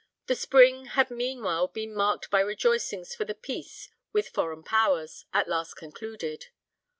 The spring had meanwhile been marked by rejoicings for the peace with foreign powers, at last concluded.